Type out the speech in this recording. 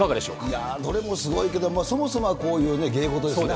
いや、どれもすごいけど、そもそもはこういう芸事ですね。